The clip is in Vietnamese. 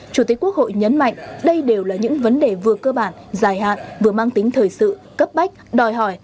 chủ tịch quốc hội nhấn mạnh đây đều là những vấn đề vừa cơ bản dài hạn vừa mang tính thời sự cấp bách đòi hỏi